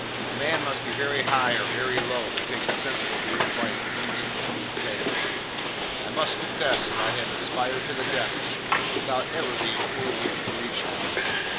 A man must be very high or very low to take the sensible view of life that keeps him from being sad. I must confess that I have aspired to the depths without ever being fully able to reach them.